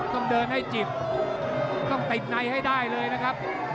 ต้องเดินให้จิบต้องติดในให้ได้เลยนะครับ